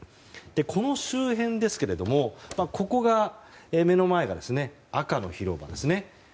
この周辺ですけれども目の前が赤の広場ですね。